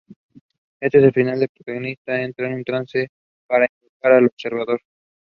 She has also served as Acting Chief Justice of Orissa High Court.